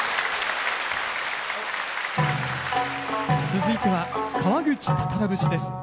続いては「川口たたら節」です。